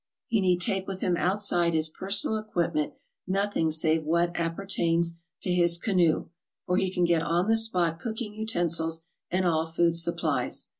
He need take with him outside his personal equipment nothing save what appertains to his canoe, for he can get on the spot cooking utensils and all food supplies.